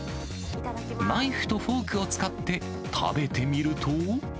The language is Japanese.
ナイフとフォークを使って食べてみると。